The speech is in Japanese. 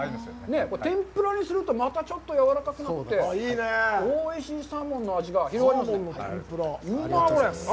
天ぷらにすると、またちょっとやわらかくなって、おいしいサーモンの味が広がりますね。